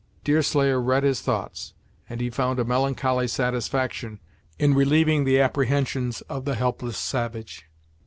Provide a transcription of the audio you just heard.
Deerslayer read his thoughts; and he found a melancholy satisfaction in relieving the apprehensions of the helpless savage.